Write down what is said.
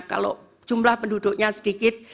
kalau jumlah penduduknya sedikit